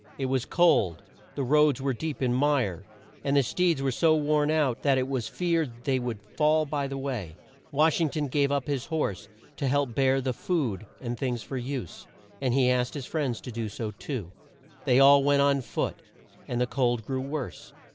It was cold, the roads were deep in mire, and the steeds were so worn out, that it was feared they would fall by the way. Wash ing ton gave up his horse to help bear the food and things for use, and he asked his friends to do so too. They all went on foot, and the cold grew worse.